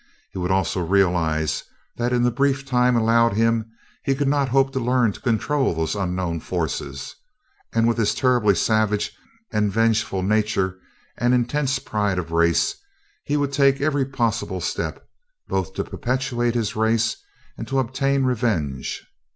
He would also realize that in the brief time allowed him, he could not hope to learn to control those unknown forces; and with his terribly savage and vengeful nature and intense pride of race, he would take every possible step both to perpetuate his race and to obtain revenge.